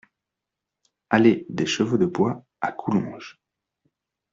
Allée des Chevaux de Bois à Coulonges